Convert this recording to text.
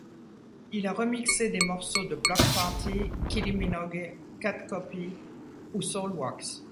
Il a remixé des morceaux de Bloc Party, Kylie Minogue, Cut Copy ou Soulwax.